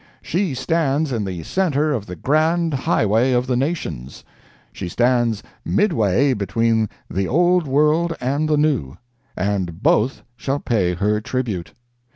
She stands in the centre of the grand highway of the nations; she stands midway between the Old World and the New, and both shall pay her tribute.